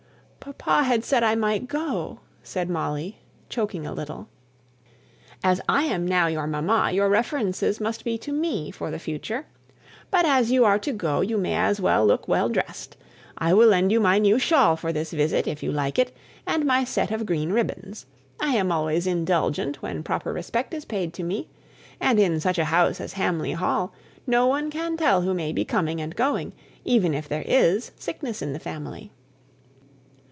"Papa had said I might go," said Molly, choking a little. "As I am now your mamma, your references must be to me, for the future. But as you are to go you may as well look well dressed. I will lend you my new shawl for this visit, if you like it, and my set of green ribbons. I am always indulgent when proper respect is paid to me. And in such a house as Hamley Hall, no one can tell who may be coming and going, even if there is sickness in the family."